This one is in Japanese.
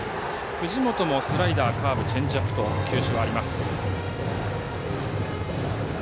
藤本もスライダー、カーブチェンジアップと球種はあります。